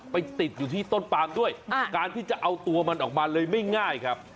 ไปติดอยู่ที่ต้นปามด้วยการที่จะเอาตัวมันออกมาเลยไม่ง่ายครับ